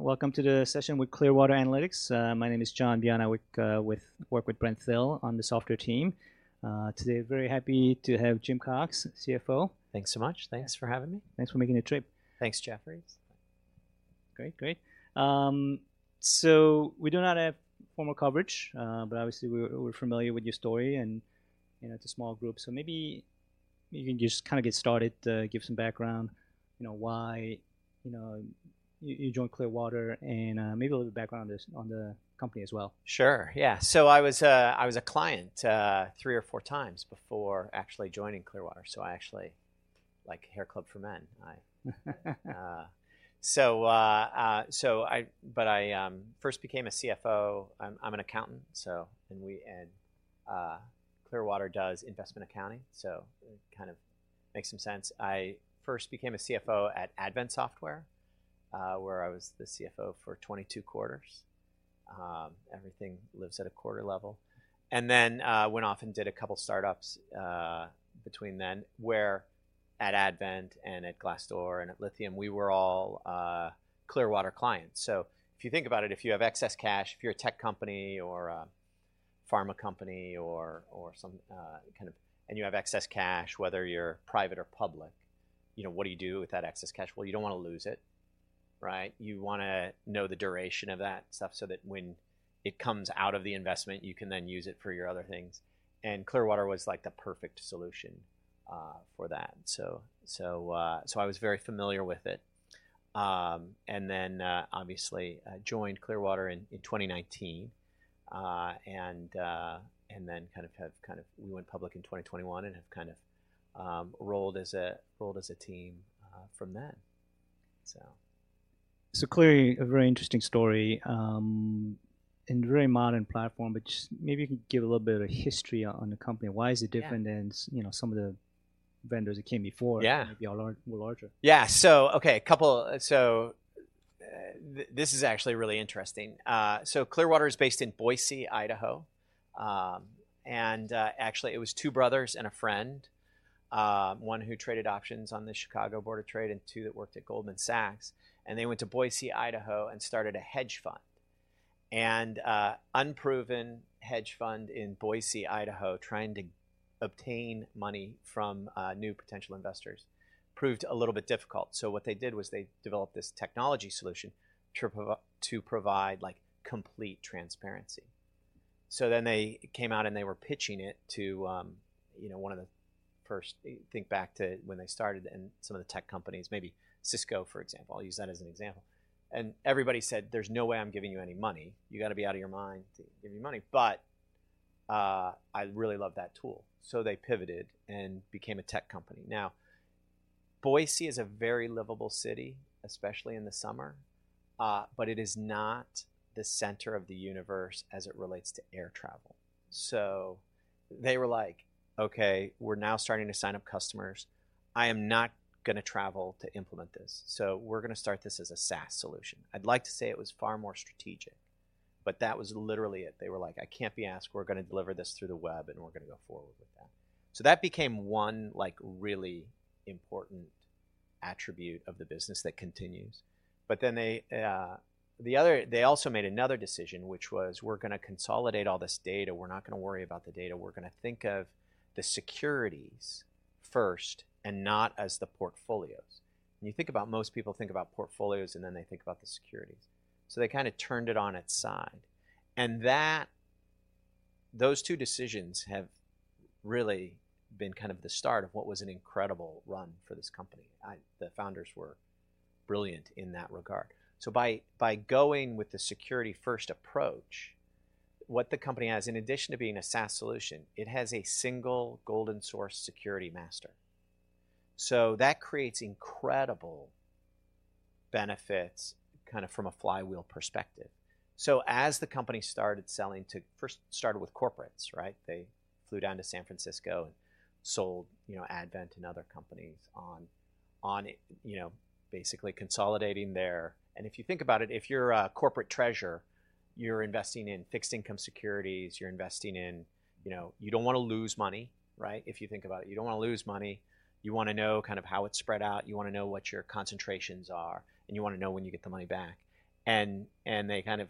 Welcome to the session with Clearwater Analytics. My name is John Bian. I work with Brent Thill on the software team. Today, very happy to have Jim Cox, CFO. Thanks so much. Thanks for having me. Thanks for making the trip. Thanks, Jefferies. Great, great. We do not have formal coverage, but obviously we're familiar with your story, and, you know, it's a small group. Maybe you can just kind of get started, give some background, you know, why, you know, you joined Clearwater and, maybe a little background on the company as well. I was a client 3 or 4 times before actually joining Clearwater, so I actually... Like HairClub for Men, but I first became a CFO. I'm an accountant, and Clearwater does investment accounting, so it kind of makes some sense. I first became a CFO at Advent Software, where I was the CFO for 22 quarters. Everything lives at a quarter level. Went off and did a couple start-ups between then, where at Advent and at Glassdoor and at Lithium, we were all Clearwater clients. If you think about it, if you have excess cash, if you're a tech company or a pharma company or some kind of... You have excess cash, whether you're private or public, you know, what do you do with that excess cash? Well, you don't want to lose it, right? You wanna know the duration of that stuff so that when it comes out of the investment, you can then use it for your other things. Clearwater was, like, the perfect solution for that. So I was very familiar with it. Obviously, I joined Clearwater in 2019, and then we went public in 2021 and have rolled as a team from then. Clearly a very interesting story, and a very modern platform. Just maybe you can give a little bit of history on the company. Why is it different? Yeah Than, you know, some of the vendors that came before? Yeah. Maybe are more larger. Yeah. Okay, this is actually really interesting. Clearwater is based in Boise, Idaho. Actually, it was two brothers and a friend, one who traded options on the Chicago Board of Trade, and two that worked at Goldman Sachs, and they went to Boise, Idaho, and started a hedge fund. Unproven hedge fund in Boise, Idaho, trying to obtain money from new potential investors proved a little bit difficult. What they did was they developed this technology solution to provide, like, complete transparency. They came out and they were pitching it to, you know, one of the first. Think back to when they started and some of the tech companies, maybe Cisco, for example, I'll use that as an example. Everybody said: "There's no way I'm giving you any money. You got to be out of your mind to give you money, but I really love that tool." They pivoted and became a tech company. Boise is a very livable city, especially in the summer, but it is not the center of the universe as it relates to air travel. They were like: "Okay, we're now starting to sign up customers. I am not gonna travel to implement this, so we're gonna start this as a SaaS solution." I'd like to say it was far more strategic, but that was literally it. They were like: "I can't be asked. We're gonna deliver this through the web, and we're gonna go forward with that." That became one, like, really important attribute of the business that continues. They also made another decision, which was, we're gonna consolidate all this data. We're not gonna worry about the data. We're gonna think of the securities first and not as the portfolios. When you think about most people, think about portfolios, and then they think about the securities. They kind of turned it on its side, and those two decisions have really been kind of the start of what was an incredible run for this company. The founders were brilliant in that regard. By going with the security-first approach, what the company has, in addition to being a SaaS solution, it has a single golden source security master. That creates incredible benefits, kind of from a flywheel perspective. As the company first started with corporates, right? They flew down to San Francisco and sold, you know, Advent and other companies on, you know, basically consolidating there. If you think about it, if you're a corporate treasurer, you're investing in fixed income securities, you're investing in. You know, you don't want to lose money, right? If you think about it, you don't want to lose money. You want to know kind of how it's spread out, you want to know what your concentrations are, and you want to know when you get the money back. They kind of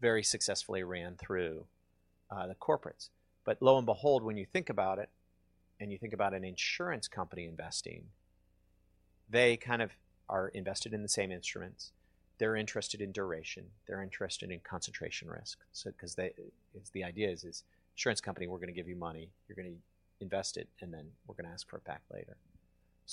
very successfully ran through the corporates. Lo and behold, when you think about it, and you think about an insurance company investing, they kind of are invested in the same instruments. They're interested in duration, they're interested in concentration risk. Cause they, the idea is insurance company, we're gonna give you money, you're gonna invest it, and then we're gonna ask for it back later.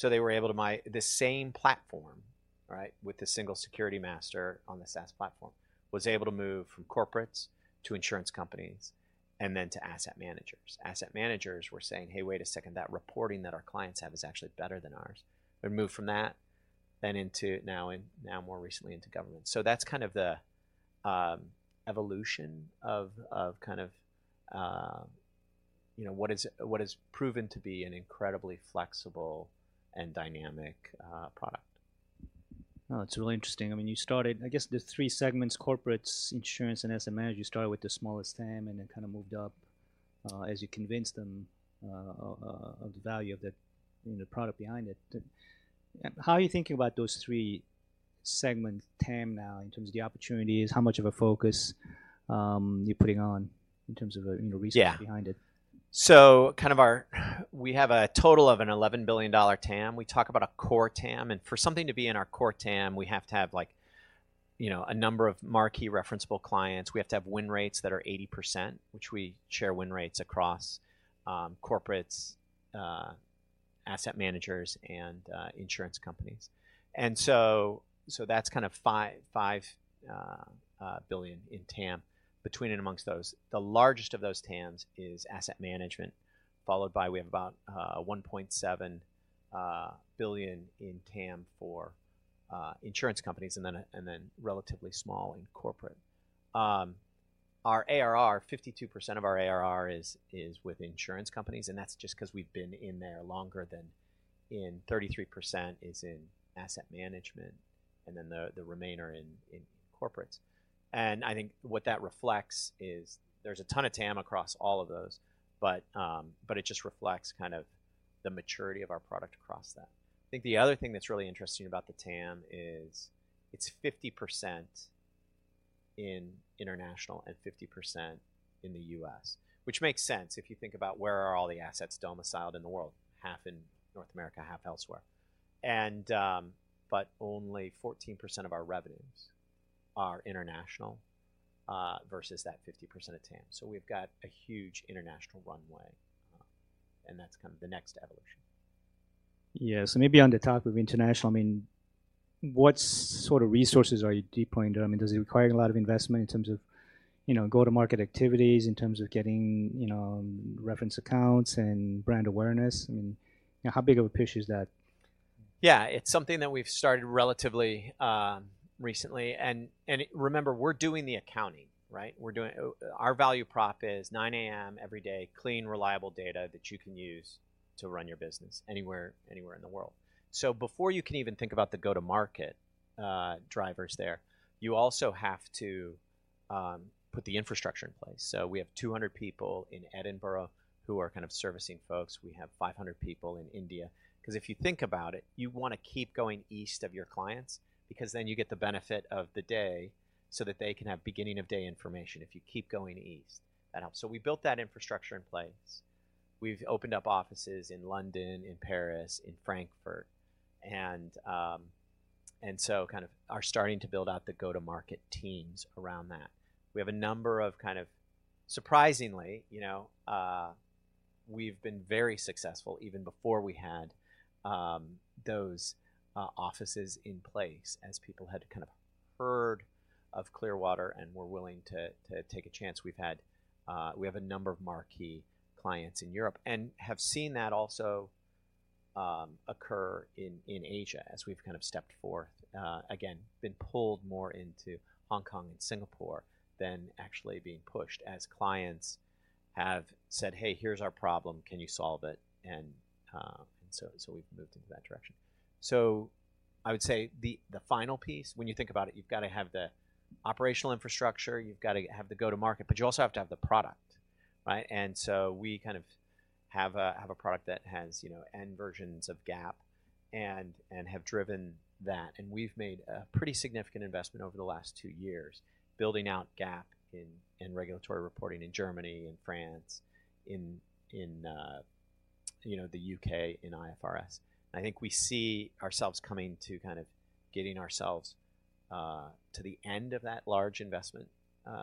They were able to the same platform, right, with the single security master on the SaaS platform, was able to move from corporates to insurance companies, and then to asset managers. Asset managers were saying, "Hey, wait a second, that reporting that our clients have is actually better than ours." They moved from that, into now, and now more recently into government. That's kind of the evolution of kind of, you know, what is, what has proven to be an incredibly flexible and dynamic product. Oh, it's really interesting. I mean, you started, I guess, the three segments: corporates, insurance, and asset management. You started with the smallest AM and then kind of moved up, as you convince them of the value of the, you know, the product behind it. How are you thinking about those three segments TAM now, in terms of the opportunities? How much of a focus you're putting on in terms of, you know, research behind it? We have a total of an $11 billion TAM. We talk about a core TAM, for something to be in our core TAM, we have to have like, you know, a number of marquee referenceable clients. We have to have win rates that are 80%, which we share win rates across corporates, asset managers, and insurance companies. That's kind of $5 billion in TAM between and amongst those. The largest of those TAMs is asset management, followed by we have about $1.7 billion in TAM for insurance companies, and then relatively small in corporate. Our ARR, 52% of our ARR is with insurance companies, and that's just 'cause we've been in there longer than... In 33% is in asset management, then the remainder in corporates. I think what that reflects is there's a ton of TAM across all of those, it just reflects kind of the maturity of our product across that. I think the other thing that's really interesting about the TAM is it's 50% in international and 50% in the U.S., which makes sense if you think about where are all the assets domiciled in the world, half in North America, half elsewhere. Only 14% of our revenues are international versus that 50% of TAM. We've got a huge international runway, that's kind of the next evolution. Yeah. Maybe on the top of international, I mean, what sort of resources are you deploying there? I mean, does it require a lot of investment in terms of, you know, go-to-market activities, in terms of getting, you know, reference accounts and brand awareness? I mean, how big of a push is that? Yeah, it's something that we've started relatively recently. Remember, we're doing the accounting, right? Our value prop is 9:00 A.M. every day, clean, reliable data that you can use to run your business anywhere in the world. Before you can even think about the go-to-market drivers there, you also have to put the infrastructure in place. We have 200 people in Edinburgh who are kind of servicing folks. We have 500 people in India, 'cause if you think about it, you wanna keep going east of your clients, because then you get the benefit of the day so that they can have beginning of day information. If you keep going east, that helps. We built that infrastructure in place. We've opened up offices in London, in Paris, in Frankfurt, kind of are starting to build out the go-to-market teams around that. We have a number of Surprisingly, you know, we've been very successful even before we had those offices in place, as people had kind of heard of Clearwater and were willing to take a chance. We have a number of marquee clients in Europe and have seen that also occur in Asia as we've kind of stepped forth. Again, been pulled more into Hong Kong and Singapore than actually being pushed as clients have said, "Hey, here's our problem, can you solve it?" We've moved into that direction. I would say the final piece, when you think about it, you've got to have the operational infrastructure, you've got to have the go-to-market, but you also have to have the product, right? We kind of have a product that has, you know, end versions of GAAP and have driven that. We've made a pretty significant investment over the last two years, building out GAAP in regulatory reporting in Germany and France, in the UK, in IFRS. I think we see ourselves coming to kind of getting ourselves to the end of that large investment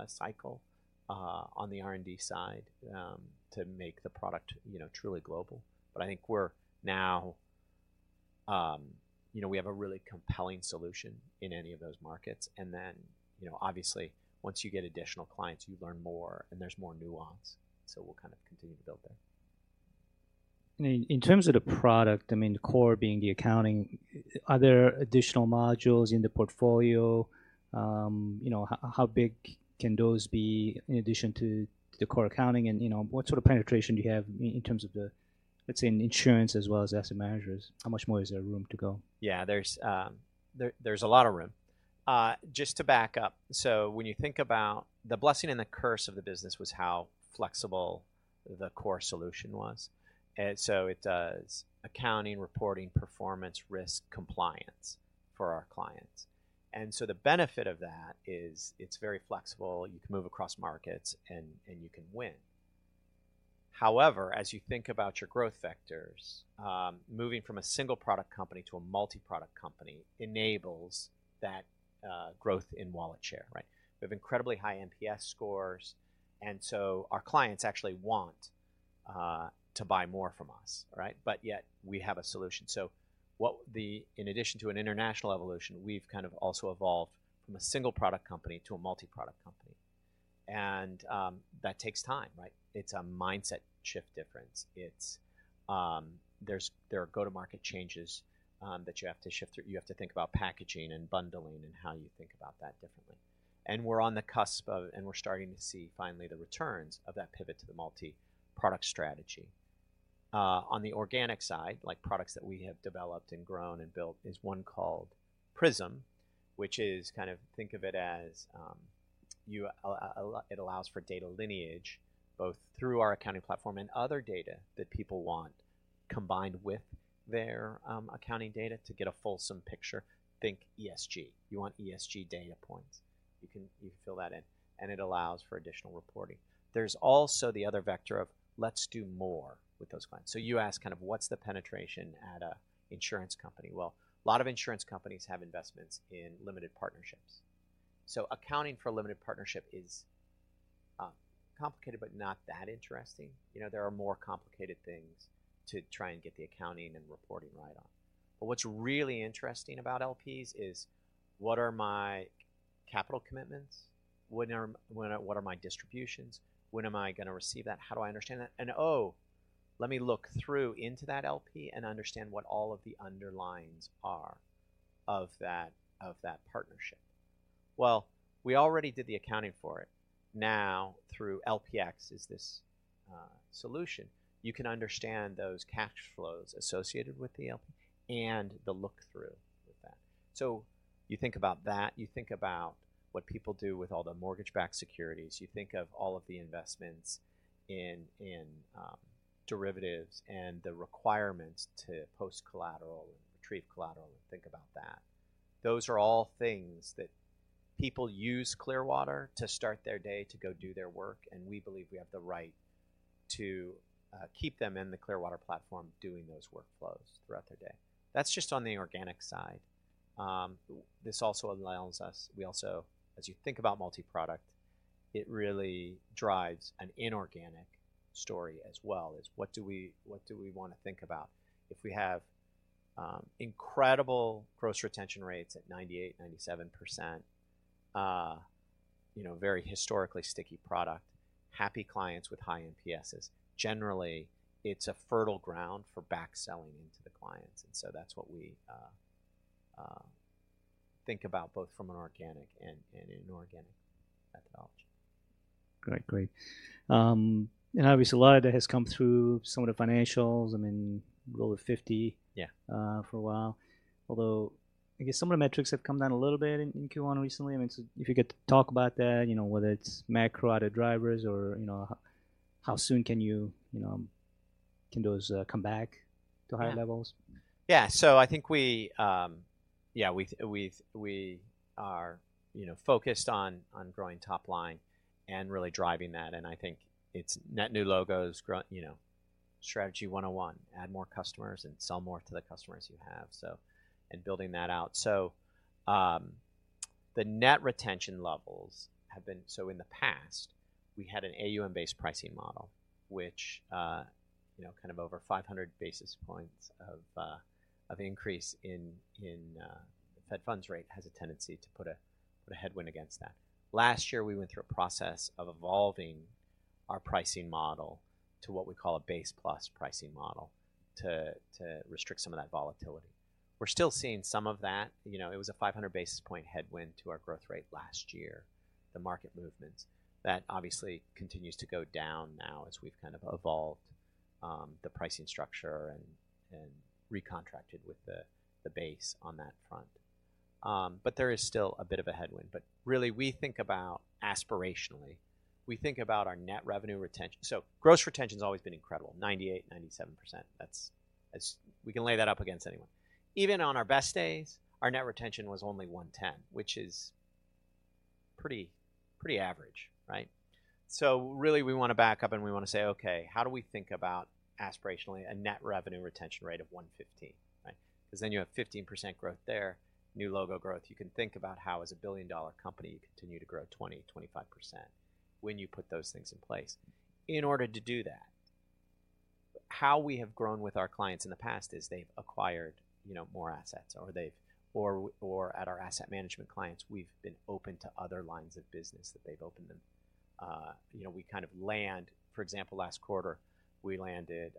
cycle on the R&D side to make the product, you know, truly global. I think we're now, you know, we have a really compelling solution in any of those markets. You know, obviously, once you get additional clients, you learn more and there's more nuance, so we'll kind of continue to build there. In terms of the product, I mean, the core being the accounting, are there additional modules in the portfolio? you know, how big can those be in addition to the core accounting? you know, what sort of penetration do you have in terms of the, let's say, in insurance as well as asset managers? How much more is there room to go? Yeah, there's a lot of room. Just to back up, so when you think about the blessing and the curse of the business was how flexible the core solution was. It does accounting, reporting, performance, risk, compliance for our clients. The benefit of that is it's very flexible, you can move across markets, and you can win. However, as you think about your growth vectors, moving from a single product company to a multi-product company enables that growth in wallet share, right? We have incredibly high NPS scores, and so our clients actually want to buy more from us, right? But yet, we have a solution. In addition to an international evolution, we've kind of also evolved from a single product company to a multi-product company. That takes time, right? It's a mindset shift difference. It's, there are go-to-market changes that you have to shift through. You have to think about packaging and bundling and how you think about that differently. We're on the cusp of, and we're starting to see finally the returns of that pivot to the multi-product strategy. on the organic side, like products that we have developed and grown and built, is one called PRISM, which is think of it as, it allows for data lineage, both through our accounting platform and other data that people want, combined with their accounting data to get a fulsome picture. Think ESG. You want ESG data points. You fill that in, and it allows for additional reporting. There's also the other vector of let's do more with those clients. You ask kind of what's the penetration at an insurance company? Well, a lot of insurance companies have investments in limited partnerships. Accounting for a limited partnership is complicated, but not that interesting. You know, there are more complicated things to try and get the accounting and reporting right on. What's really interesting about LPs is: what are my capital commitments? What are my distributions? When am I gonna receive that? How do I understand that? Oh, let me look through into that LP and understand what all of the underlyings are of that partnership. Well, we already did the accounting for it. Now, through LPx is this solution. You can understand those cash flows associated with the LP and the look-through with that. You think about that, you think about what people do with all the mortgage-backed securities. You think of all of the investments in derivatives and the requirements to post collateral and retrieve collateral, think about that. Those are all things that people use Clearwater to start their day to go do their work, and we believe we have the right to keep them in the Clearwater platform, doing those workflows throughout their day. That's just on the organic side. This also allows us. We also... As you think about multi-product, it really drives an inorganic story as well, what do we want to think about? If we have incredible gross retention rates at 98%, 97%, you know, very historically sticky product, happy clients with high NPSs. Generally, it's a fertile ground for back-selling into the clients, and so that's what we think about both from an organic and inorganic methodology. Great. Great. obviously, a lot of that has come through some of the financials. I mean, go to fifty-. Yeah For a while. Although, I guess some of the metrics have come down a little bit in Q1 recently. I mean, if you could talk about that, you know, whether it's macro or other drivers or, you know, how soon can you know, can those come back to higher levels? I think we, Yeah, we are, you know, focused on growing top line and really driving that, and I think it's net new logos, you know, strategy one on one, add more customers and sell more to the customers you have, so, and building that out. The net retention levels have been. In the past, we had an AUM-based pricing model, which, you know, kind of over 500 basis points of increase in federal funds rate has a tendency to put a headwind against that. Last year, we went through a process of evolving our pricing model to what we call a base-plus pricing model, to restrict some of that volatility. We're still seeing some of that. You know, it was a 500 basis point headwind to our growth rate last year, the market movements. That obviously continues to go down now as we've kind of evolved, the pricing structure and recontracted with the base on that front. There is still a bit of a headwind. Really, we think about. Aspirationally, we think about our net revenue retention. Gross retention's always been incredible, 98%, 97%. That's, it's, we can lay that up against anyone. Even on our best days, our net retention was only 110, which is pretty average, right? Really, we want to back up, and we want to say, "Okay, how do we think about aspirationally a net revenue retention rate of 115?" Right? Because then you have 15% growth there, new logo growth. You can think about how, as a billion-dollar company, you continue to grow 20%-25% when you put those things in place. In order to do that, how we have grown with our clients in the past is they've acquired, you know, more assets, or at our asset management clients, we've been open to other lines of business that they've opened them. You know, we kind of For example, last quarter, we landed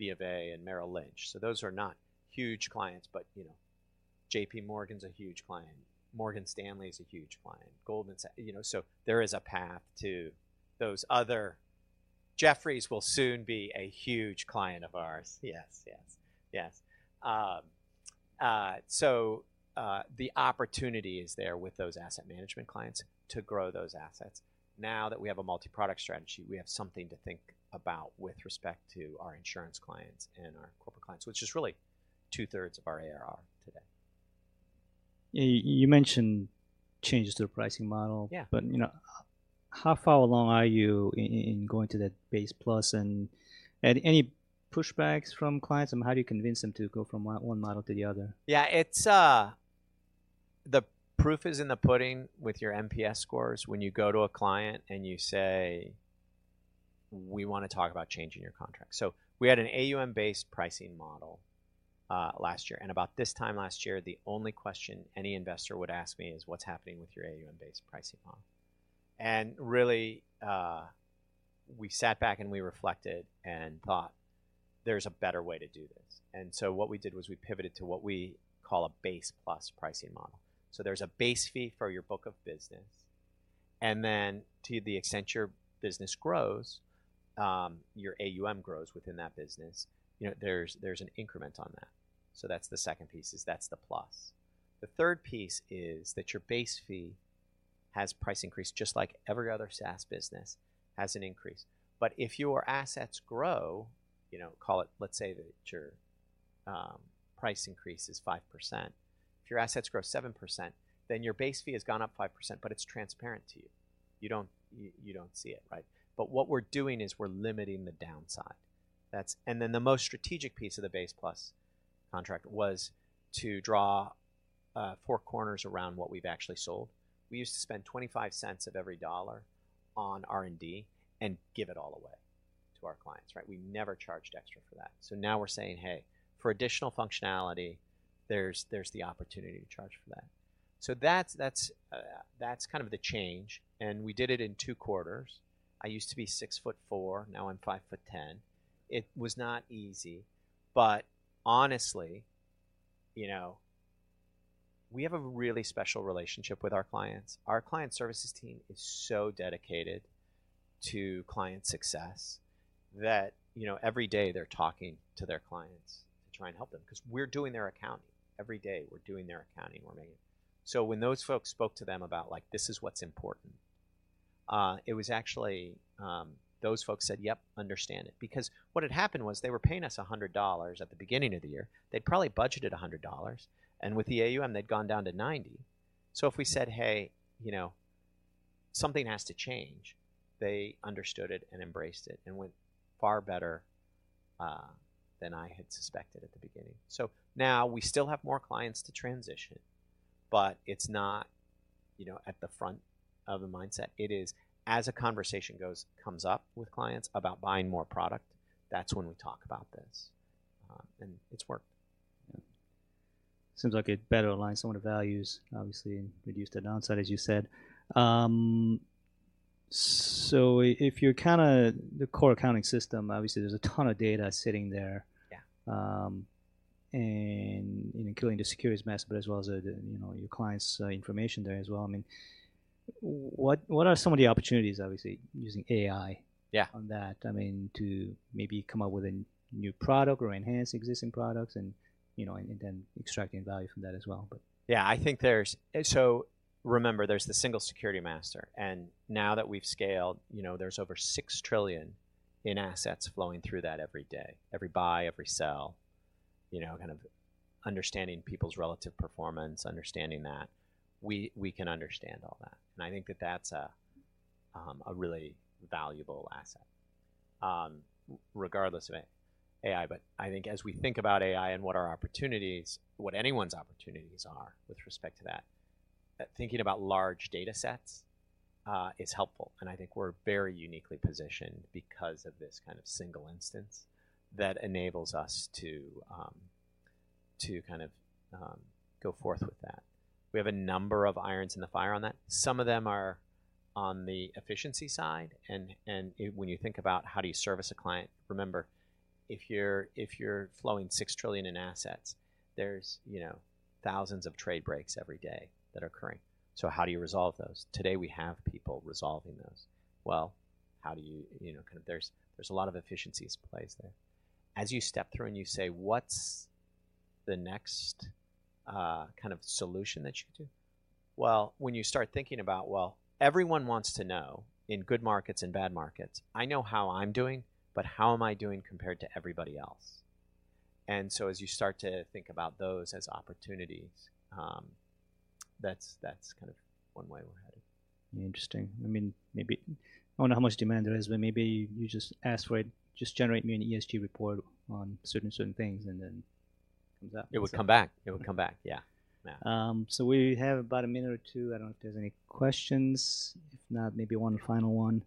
BofA and Merrill Lynch. Those are not huge clients, but, you know, JPMorgan's a huge client, Morgan Stanley is a huge client, Goldman Sachs, you know, there is a path to those other... Jefferies will soon be a huge client of ours. Yes, yes. The opportunity is there with those asset management clients to grow those assets. Now that we have a multi-product strategy, we have something to think about with respect to our insurance clients and our corporate clients, which is really two-thirds of our ARR today. You mentioned changes to the pricing model. Yeah. You know, how far along are you in going to that base-plus, and any pushbacks from clients? How do you convince them to go from one model to the other? Yeah, it's the proof is in the pudding with your NPS scores when you go to a client, you say, "We want to talk about changing your contract." We had an AUM-based pricing model last year. About this time last year, the only question any investor would ask me is: What's happening with your AUM-based pricing model? Really, we sat back, we reflected and thought, "There's a better way to do this." What we did was we pivoted to what we call a base-plus pricing model. There's a base fee for your book of business. To the extent your business grows, your AUM grows within that business, you know, there's an increment on that. That's the second piece, is that's the plus. The third piece is that your base fee has price increase, just like every other SaaS business has an increase. If your assets grow, you know, let's say that your price increase is 5%. If your assets grow 7%, then your base fee has gone up 5%, but it's transparent to you. You don't, you don't see it, right? What we're doing is we're limiting the downside. Then the most strategic piece of the base-plus contract was to draw four corners around what we've actually sold. We used to spend $0.25 of every dollar on R&D and give it all away to our clients, right? We never charged extra for that. Now we're saying, "Hey, for additional functionality, there's the opportunity to charge for that." That's kind of the change, and we did it in 2 quarters. I used to be 6 foot 4, now I'm 5 foot 10. It was not easy, but honestly, you know, we have a really special relationship with our clients. Our client services team is so dedicated to client success that, you know, every day they're talking to their clients to try and help them. 'Cause we're doing their accounting. Every day, we're doing their accounting, we're making. When those folks spoke to them about, like, this is what's important, it was actually those folks said, "Yep, understand it." Because what had happened was they were paying us $100 at the beginning of the year. They probably budgeted $100, and with the AUM, they'd gone down to 90. If we said, "Hey, you know, something has to change," they understood it and embraced it, and went far better than I had suspected at the beginning. Now we still have more clients to transition, but it's not, you know, at the front of the mindset. It is as a conversation goes, comes up with clients about buying more product, that's when we talk about this, and it's worked. Seems like it better aligns some of the values, obviously, and reduced the downside, as you said. If you're kinda. The core accounting system, obviously, there's a ton of data sitting there. Yeah. You know, including the security master, but as well as, you know, your clients' information there as well. I mean, what are some of the opportunities, obviously, using AI? Yeah -on that, I mean, to maybe come up with a new product or enhance existing products and, you know, and then extracting value from that as well, but Yeah, I think there's. Remember, there's the single security master, now that we've scaled, you know, there's over 6 trillion in assets flowing through that every day, every buy, every sell. You know, kind of understanding people's relative performance, understanding that, we can understand all that, I think that that's a really valuable asset, regardless of AI. I think as we think about AI and what our opportunities, what anyone's opportunities are with respect to that, thinking about large data sets is helpful, I think we're very uniquely positioned because of this kind of single instance that enables us to kind of go forth with that. We have a number of irons in the fire on that. Some of them are on the efficiency side, and when you think about how do you service a client, remember, if you're flowing $6 trillion in assets, there's, you know, thousands of trade breaks every day that are occurring. How do you resolve those? Today, we have people resolving those. Well, how do you know, there's a lot of efficiencies in place there. As you step through and you say, "What's the next kind of solution that you could do?" Well, when you start thinking about, well, everyone wants to know, in good markets and bad markets, I know how I'm doing, but how am I doing compared to everybody else? As you start to think about those as opportunities, that's kind of one way we're headed. Interesting. I mean, maybe, I don't know how much demand there is, but maybe you just ask for it, just generate me an ESG report on certain things, and then comes out. It would come back. It would come back, yeah. Yeah. We have about a minute or two. I don't know if there's any questions? If not, maybe one final one.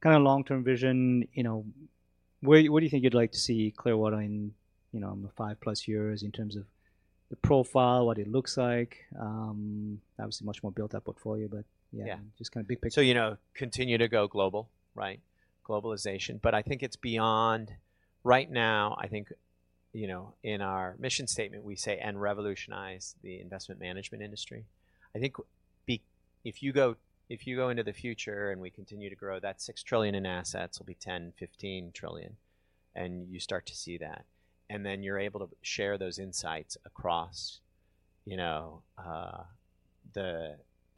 Kind of long-term vision, you know, where, what do you think you'd like to see Clearwater in, you know, five plus years in terms of the profile, what it looks like? obviously, much more built-up portfolio. Yeah just kind of big picture. You know, continue to go global, right? Globalization. I think it's beyond... Right now, I think, you know, in our mission statement, we say, "And revolutionize the investment management industry." I think if you go, if you go into the future and we continue to grow, that $6 trillion in assets will be $10 trillion-$15 trillion, and you start to see that. You're able to share those insights across, you know, the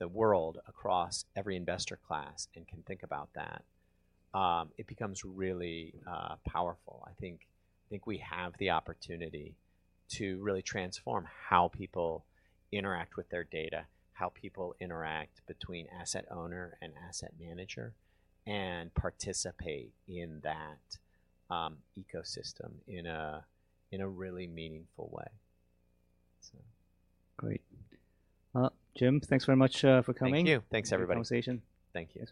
world, across every investor class and can think about that. It becomes really powerful. I think we have the opportunity to really transform how people interact with their data, how people interact between asset owner and asset manager, and participate in that ecosystem in a really meaningful way, so. Great. Jim, thanks very much for coming. Thank you. Thanks, everybody. Great conversation. Thank you.